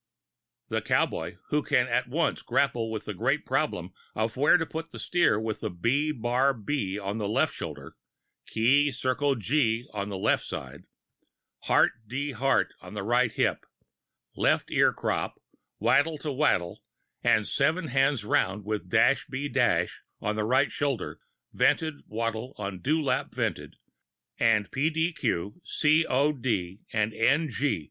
The cowboy who can at once grapple with the great problem of where to put the steer with "B bar B" on left shoulder, "Key circle G" on left side, "Heart D Heart" on right hip, left ear crop, wattle te wattle, and seven hands round with "Dash B Dash" on right shoulder "vented," wattle [Pg 20]on dew lap vented, and "P. D. Q.," "C. O. D.," and "N. G."